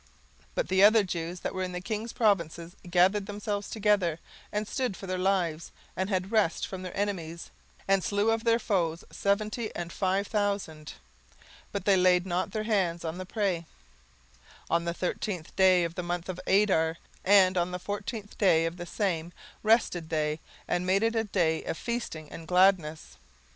17:009:016 But the other Jews that were in the king's provinces gathered themselves together, and stood for their lives, and had rest from their enemies, and slew of their foes seventy and five thousand, but they laid not their hands on the prey, 17:009:017 On the thirteenth day of the month Adar; and on the fourteenth day of the same rested they, and made it a day of feasting and gladness.